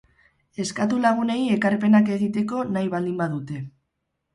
Eskatu lagunei ekarpenak egiteko nahi baldin badute.